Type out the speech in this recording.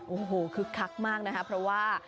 โอ้โฮคือคักมากนะฮะเพราะว่า